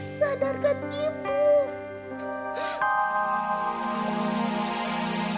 seharian prinsip burgsyenaity